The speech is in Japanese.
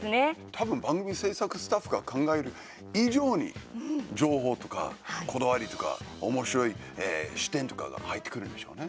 多分番組制作スタッフが考える以上に情報とか、こだわりとかおもしろい視点とかが入ってくるんでしょうね。